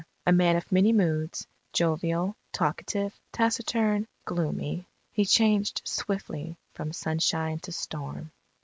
A man of many moods, jovial, talkative, taciturn, gloomy, he changed swiftly from sunshine to storm.